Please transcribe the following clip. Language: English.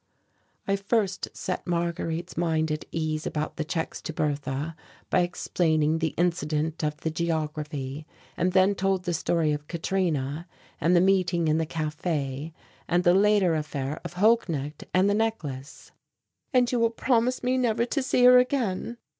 I first set Marguerite's mind at ease about the checks to Bertha by explaining the incident of the geography, and then told the story of Katrina and the meeting in the café, and the later affair of Holknecht and the necklace. "And you will promise me never to see her again?"